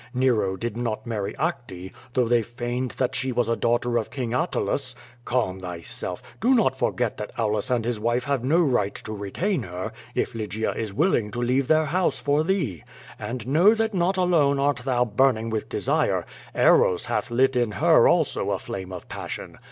Nero did not marry Acte, though they feigned that she w^as a daughter of King Attains. Calm thyself! Do not forget that Aulus and his wife have no right to retain her, if Lygia is willing to leave their house for thee. And know that not alone art thou burning with desire; Eros hath lit in her also a flame of passion.